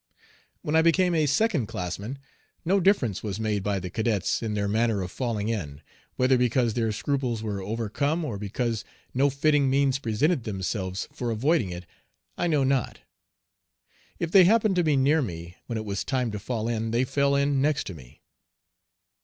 When I became a second classman, no difference was made by the cadets in their manner of falling in, whether because their scruples were overcome or because no fitting means presented themselves for avoiding it, I know not. If they happened to be near me when it was time to fall in, they fell in next to me.